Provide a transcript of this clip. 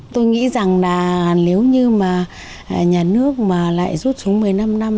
tôi nghĩ rằng là nếu như mà nhà nước mà lại rút xuống một mươi năm năm